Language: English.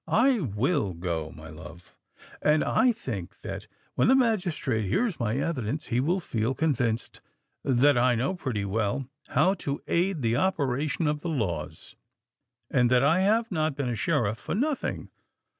I will go, my love; and I think that when the magistrate hears my evidence, he will feel convinced that I know pretty well how to aid the operation of the laws, and that I have not been a Sheriff for nothing.